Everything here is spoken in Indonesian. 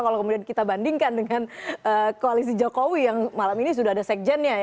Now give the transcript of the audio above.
kalau kemudian kita bandingkan dengan koalisi jokowi yang malam ini sudah ada sekjennya